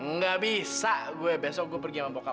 nggak bisa gue besok gue pergi sama bokap